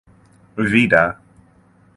Vida.